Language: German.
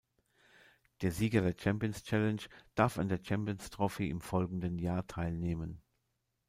Der Sieger der Champions Challenge darf an der Champions Trophy im folgenden Jahr teilnehmen.